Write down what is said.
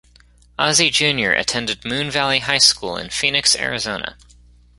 Ozzie Junior attended Moon Valley High School in Phoenix, Arizona.